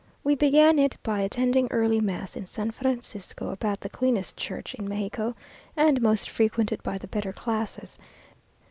We began it by attending early mass in San Francisco, about the cleanest church in Mexico, and most frequented by the better classes.